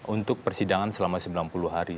untuk persidangan selama sembilan puluh hari